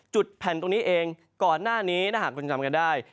แผ่นตรงนี้เองก่อนหน้านี้ถ้าหากคุณจำกันได้